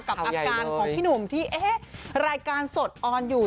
กับอาการของพี่หนุ่มที่เอ๊ะรายการสดออนอยู่